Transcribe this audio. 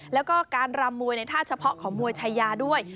แล้วก็การรำมวยในท่าเฉพาะของมวยชายาด้วย